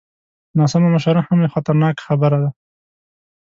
ناسمه مشوره هم یوه خطرناکه خبره ده.